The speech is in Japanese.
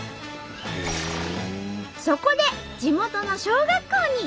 そこで地元の小学校に。